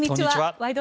「ワイド！